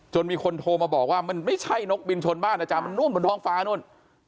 มีคนโทรมาบอกว่ามันไม่ใช่นกบินชนบ้านอาจารย์มันนู่นบนท้องฟ้านู่น